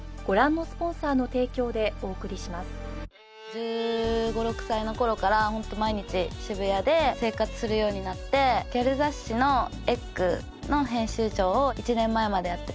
１５１６歳の頃からホント毎日渋谷で生活するようになってギャル雑誌の『ｅｇｇ』の編集長を１年前までやっていて。